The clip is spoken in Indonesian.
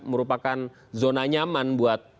merupakan zona nyaman buat